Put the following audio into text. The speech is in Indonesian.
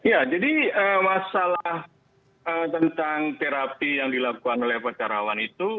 ya jadi masalah tentang terapi yang dilakukan oleh pak terawan itu